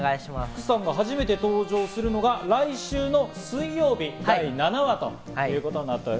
福さんが初めて登場するのが来週水曜日、７話ということですね。